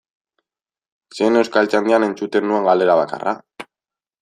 Zen Euskaltzaindian entzuten nuen galdera bakarra?